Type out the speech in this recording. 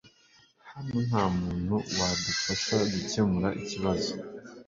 Hano nta muntu wadufasha gukemura ikibazo